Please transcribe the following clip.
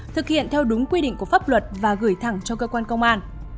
thực hiện theo đúng quy định của pháp luật và gửi thẳng cho cơ quan công an